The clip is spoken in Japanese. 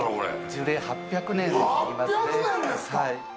樹齢８００年になりますね。